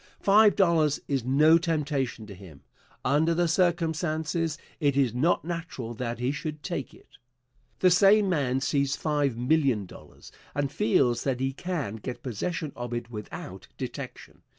Five dollars is no temptation to him. Under the circumstances it is not natural that he should take it. The same man sees five million dollars, and feels that he can get possession of it without detection.